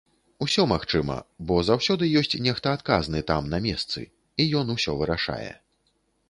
Усё магчыма, бо заўсёды ёсць нехта адказны там на месцы, і ён усё вырашае.